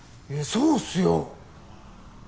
そうっすよ。